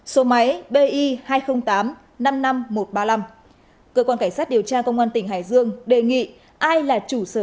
số máy bi hai không tám năm năm một ba năm cơ quan cảnh sát điều tra công an tỉnh hải dương đề nghị ai là chủ sở